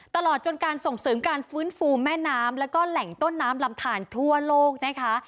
ตลอดจนการส่งเสริมการฟื้นฟูแม่น้ำแล้วก็แหล่งต้นน้ำลำทานทั่วโลกนะคะ